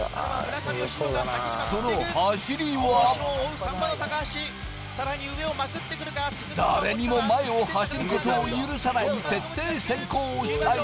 その走りは、誰にも前を走ることを許さない徹底先行スタイル。